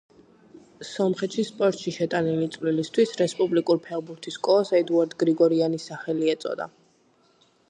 სომხეთში სპორტში შეტანილი წვლილისთვის, რესპუბლიკურ ფეხბურთის სკოლას ედუარდ გრიგორიანის სახელი ეწოდა.